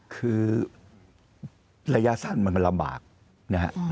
คือระยะสั้นมันลำบากนะฮะ